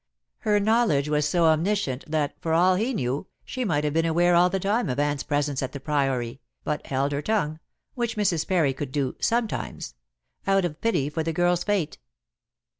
Her knowledge was so omniscient that, for all he knew, she might have been aware all the time of Anne's presence at the Priory, but held her tongue which Mrs. Parry could do sometimes out of pity for the girl's fate.